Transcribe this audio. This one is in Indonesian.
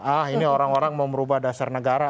ah ini orang orang mau merubah dasar negara